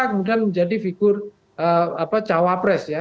kemudian menjadi figur cawapres ya